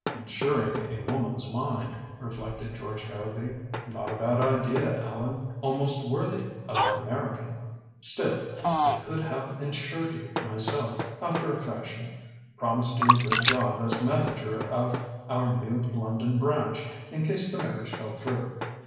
"Insuring a woman's mind," reflected George Harrowby. "Not a bad idea, Allan. Almost worthy of an American. Still I could have insured you myself after a fashion promised you a good job as manager of our new London branch in case the marriage fell through.